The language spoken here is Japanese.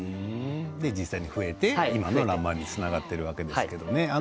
実際に増えて今の「らんまん」につながっているんですね。